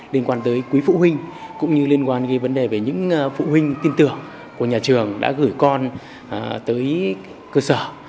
liên quan tới quý phụ huynh cũng như liên quan đến vấn đề về những phụ huynh tin tưởng của nhà trường đã gửi con tới cơ sở